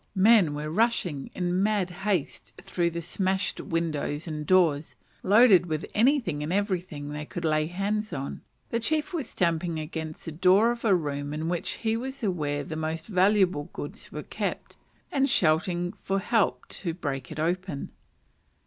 Men were rushing in mad haste through the smashed windows and doors, loaded with anything and everything they could lay hands on. The chief was stamping against the door of a room in which he was aware the most valuable goods were kept, and shouting for help to break it open.